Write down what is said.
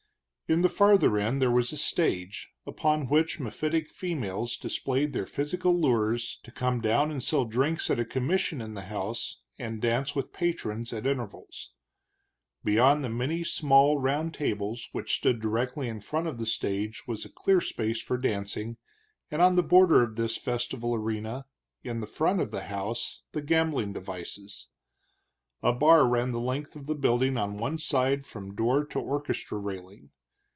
In the farther end there was a stage, upon which mephitic females displayed their physical lures, to come down and sell drinks at a commission in the house, and dance with the patrons, at intervals. Beyond the many small round tables which stood directly in front of the stage was a clear space for dancing, and on the border of this festival arena, in the front of the house, the gambling devices. A bar ran the length of the building on one side from door to orchestra railing.